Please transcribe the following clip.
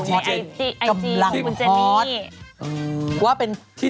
ช่วงหน้าเหรออันนี้